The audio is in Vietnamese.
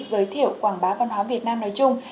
giới thiệu quảng bá văn hóa việt nam nói chung